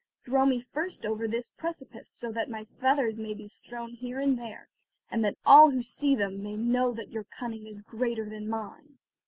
Throw me first over this precipice, so that my feathers may be strewn here and there, and that all who see them may know that your cunning is greater than mine."